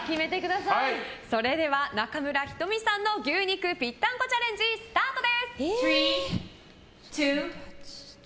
それでは中村仁美さんの牛肉ぴったんこチャレンジスタートです！